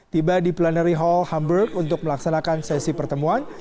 tiba di plenary hall hamburg untuk melaksanakan sesi pertemuan